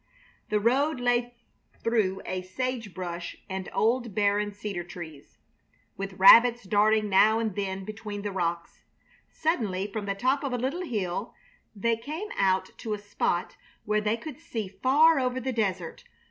The road lay through sage brush and old barren cedar trees, with rabbits darting now and then between the rocks. Suddenly from the top of a little hill they came out to a spot where they could see far over the desert.